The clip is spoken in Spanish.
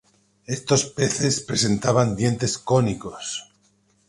Estos peces presentaban dientes cónicos.